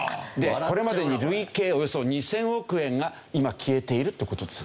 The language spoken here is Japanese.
これまでに累計およそ２０００億円が今消えているって事です。